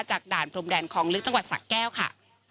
จากด่านพรมแดนคองลึกจังหวัดศักดิ์แก้วค่ะ